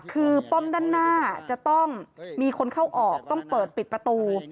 คือป้อมด้านหน้าจะต้องมีคนเข้าออกต้องเปิดปิดประตู